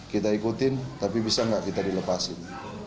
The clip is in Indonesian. kita ikutin tapi bisa nggak kita dilepasin